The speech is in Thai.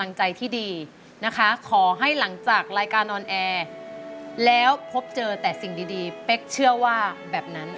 แล้วพบเจอแต่สิ่งดีเป๊ะเชื่อว่าแบบนั้น